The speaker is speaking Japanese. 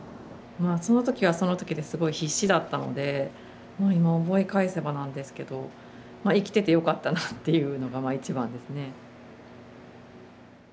その時はその時ですごい必死だったので今思い返えせばなんですけどまあ生きててよかったなっていうのがまあ一番ですね。